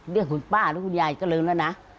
เรียกคุณป้าและคุณยายก็ลืมแล้วนะ